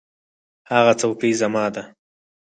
هغه څوکۍ زما ده.